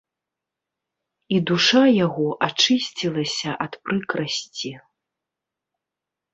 І душа яго ачысцілася ад прыкрасці.